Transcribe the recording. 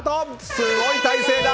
すごい体勢だ！